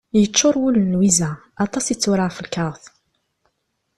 Yeččur wul n Lwiza, aṭas i d-tura ɣef lkaɣeḍ.